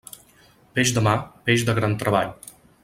Peix de mar, peix de gran treball.